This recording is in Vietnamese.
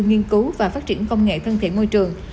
nghiên cứu và phát triển công nghệ thân thiện môi trường